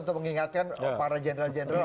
untuk mengingatkan para general general